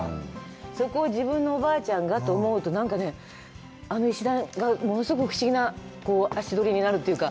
そこを自分のおばあちゃんがと思うと、なんかね、あの石段が、物すごく不思議な足取りになるというか。